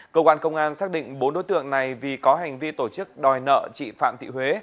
cơ quan công an xác định bốn đối tượng này vì có hành vi tổ chức đòi nợ chị phạm thị huế